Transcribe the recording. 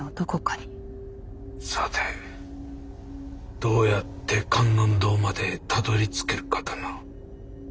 さてどうやって観音堂までたどりつけるかだな。